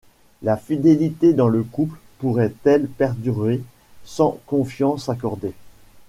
La fidélité dans le couple pourrait-elle perdurer sans confiance accordée ?